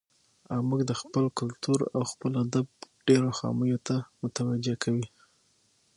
او موږ د خپل کلچر او خپل ادب ډېرو خاميو ته متوجه کوي.